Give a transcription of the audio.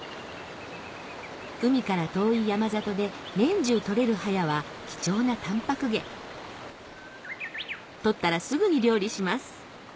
海から遠い山里で年中取れるハヤは貴重なタンパク源取ったらすぐに料理します